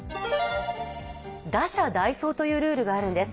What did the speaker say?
打者代走というルールがあるんです。